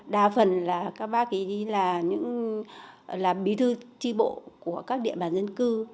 đa phần là các bác ý là bí thư tri bộ của các địa bàn dân cư